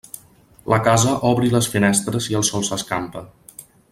La casa obri les finestres i el sol s'escampa.